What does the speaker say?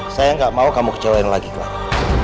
saya gak mau kamu kecewain lagi clara